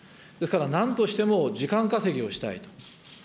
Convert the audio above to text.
ですからなんとしても時間稼ぎをしたいと。